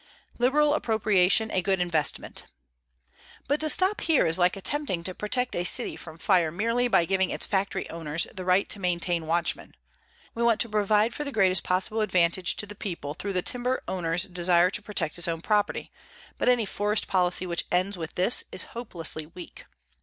LIBERAL APPROPRIATION A GOOD INVESTMENT But to stop here is like attempting to protect a city from fire merely by giving its factory owners the right to maintain watchmen. We want to provide for the greatest possible advantage to the people through the timber owner's desire to protect his own property, but any forest policy which ends with this is hopelessly weak.